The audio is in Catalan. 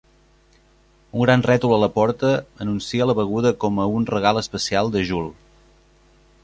Un gran rètol a la porta anuncia la beguda com a un regal especial de Jul.